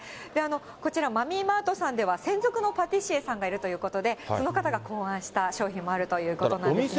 こちら、マミーマートさんでは、専属のパティシエさんがいるということで、その方が考案した商品もあるということなんですね。